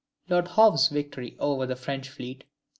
Lord Howe's victory over the French fleet.